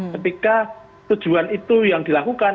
ketika tujuan itu yang dilakukan